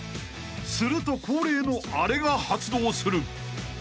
すると恒例のアレが発動する］